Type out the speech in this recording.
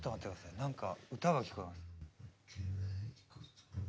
何か歌が聞こえます